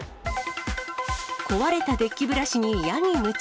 壊れたデッキブラシにヤギ夢中。